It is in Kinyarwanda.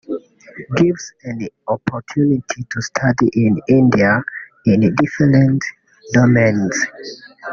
gives an opportunity to study in India in different domains